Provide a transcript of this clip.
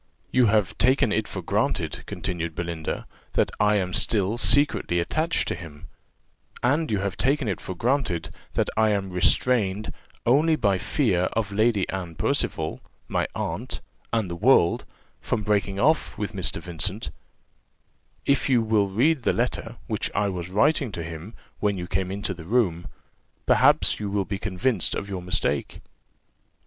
"You have taken it for granted," continued Belinda, "that I am still secretly attached to him; and you take it for granted that I am restrained only by fear of Lady Anne Percival, my aunt, and the world, from breaking off with Mr. Vincent: if you will read the letter, which I was writing to him when you came into the room, perhaps you will be convinced of your mistake."